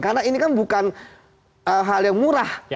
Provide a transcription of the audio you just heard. karena ini kan bukan hal yang murah